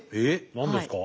何ですか？